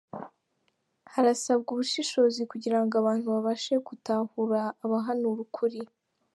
Harasabwa ubushishozi kugira ngo abantu babashe gutahura abahanura ukuri